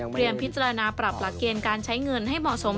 พิจารณาปรับหลักเกณฑ์การใช้เงินให้เหมาะสม